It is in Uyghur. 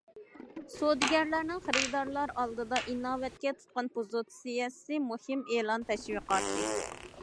سودىگەرلەرنىڭ خېرىدارلار ئالدىدا ئىناۋەتكە تۇتقان پوزىتسىيەسى مۇھىم ئېلان تەشۋىقاتى.